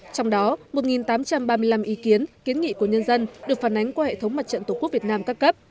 trong đó một tám trăm ba mươi năm ý kiến kiến nghị của nhân dân được phản ánh qua hệ thống mặt trận tổ quốc việt nam các cấp